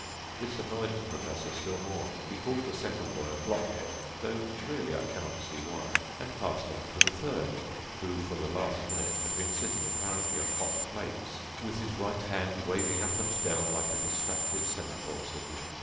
This annoyed the Professor still more; he called the second boy a blockhead, though really I cannot see why, and passed on to the third, who, for the last minute, had been sitting apparently on hot plates, with his right arm waving up and down like a distracted semaphore signal.